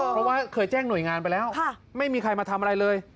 เพราะว่าเคยแจ้งหน่วยงานไปแล้วไม่มีใครมาทำอะไรเลย